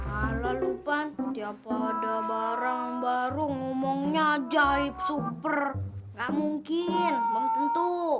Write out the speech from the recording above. ala lupan tiap ada barang baru ngomongnya ajaib super gak mungkin bang tentu